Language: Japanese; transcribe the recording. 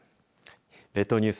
列島ニュース